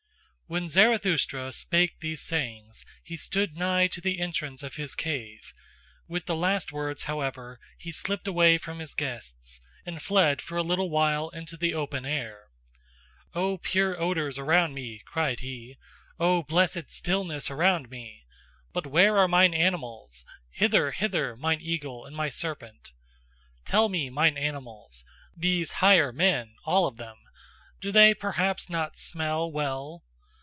When Zarathustra spake these sayings, he stood nigh to the entrance of his cave; with the last words, however, he slipped away from his guests, and fled for a little while into the open air. "O pure odours around me," cried he, "O blessed stillness around me! But where are mine animals? Hither, hither, mine eagle and my serpent! Tell me, mine animals: these higher men, all of them do they perhaps not SMELL well?